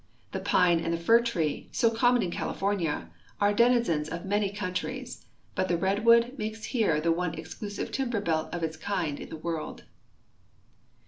The pine and the fir tree, so common in California, are denizens of man}^ countries, but the redwood makes here the one exclusive timber belt of its kind in the world.